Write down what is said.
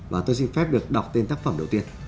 và tôi xin phép được đọc tên tác phẩm đầu tiên